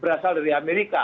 berasal dari amerika